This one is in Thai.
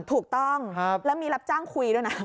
ถูกต้องแล้วมีรับจ้างคุยด้วยนะ